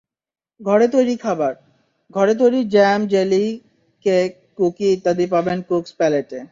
ঘরে তৈরি খাবারঘরে তৈরি জ্যাম, জেলি, কেক, কুকি ইত্যাদি পাবেন কুকস প্যালেটে।